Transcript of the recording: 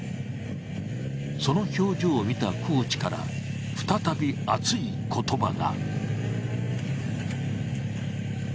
その表情を見たコーチから再び熱い言葉が。